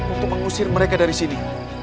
untuk mengusir mereka dari sini